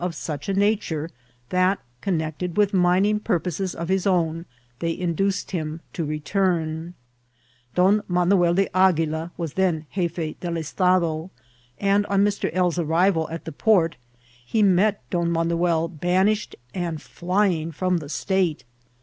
of such E UEture, thEt, connected with mining pur poses of his own, they induced him to return. Don MeuucI de AguilE wes then G^e del EstEdo, End on Mr. L.'s Errival Et the port he met Don MeuqcI bsn ished End flying from the stste.